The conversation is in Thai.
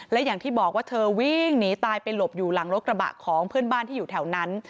และอย่างที่บอกว่าเธอวิ่งหนีตายไปหลบอยู่หลังรถกระบะของเพื่อนบ้านที่อยู่แถวนั้น